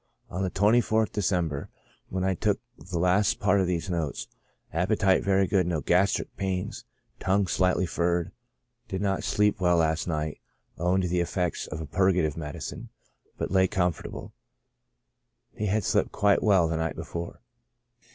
On the 24th December, when I took the last part of these notes, appetite very good ; no gastric pains ; tongue slightly furred j did not sleep well last night, owing to the effects of a purgative medicine, but lay comfortable ; he had slept quite well the night before.